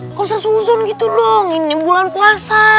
gak usah susun gitu dong ini bulan puasa